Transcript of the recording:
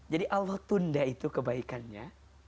jadi allah tunda itu kebaikannya